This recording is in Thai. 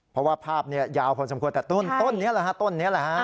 เพราะว่าภาพเนี่ยยาวพอสมควรแต่ต้นต้นเนี่ยหรอฮะ